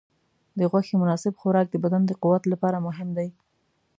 د غوښې مناسب خوراک د بدن د قوت لپاره مهم دی.